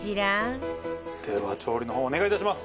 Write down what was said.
では調理の方お願いいたします。